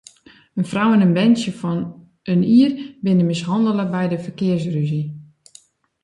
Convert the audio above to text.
In frou en in berntsje fan in jier binne mishannele by in ferkearsrûzje.